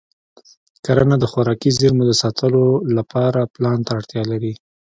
کرنه د خوراکي زېرمو د ساتلو لپاره پلان ته اړتیا لري.